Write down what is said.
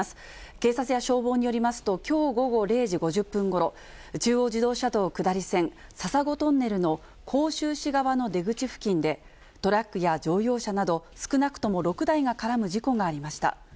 警察や消防によりますと、きょう午後０時５０分ごろ、中央自動車道下り線笹子トンネルの甲州市側の出口付近で、トラックや乗用車など少なくとも６台が絡む事故がありました。